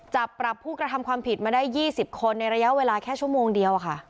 จับปรับผู้กระทำความผิดมาได้๒๐คนในระยะเวลาแค่ชั่วโมงเดียวค่ะ